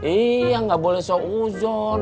iya gak boleh seuzon